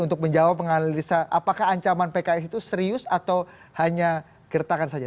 untuk menjawab menganalisa apakah ancaman pks itu serius atau hanya gertakan saja